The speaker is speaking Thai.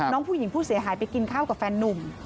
น้องผู้หญิงผู้เสียหายไปกินข้าวกับแฟนนุ่ม